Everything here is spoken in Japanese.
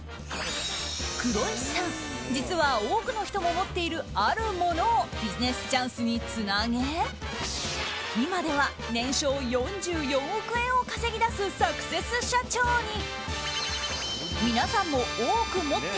黒石さん実は多くの人も持っているあるものをビジネスチャンスにつなげ今では年商４４億円を稼ぎ出すサクセス社長に。